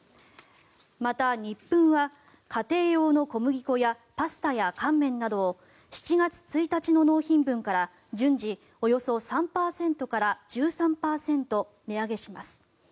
また、ニップンは家庭用の小麦粉やパスタや乾麺など７月１日の納品分から順次およそ３％から１３％値上げします。